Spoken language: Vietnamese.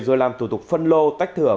rồi làm thủ tục phân lô tách thừa